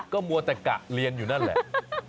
ก็มัวแต่กะเรียนอยู่นั่นแหละ